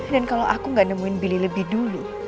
dan kalau aku gak nemuin billy lebih dulu